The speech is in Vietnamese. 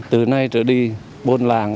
từ nay trở đi buôn làng